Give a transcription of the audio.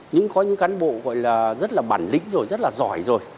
nhưng có những cán bộ gọi là rất là bản lĩnh rồi rất là giỏi rồi